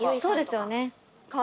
そうですよね。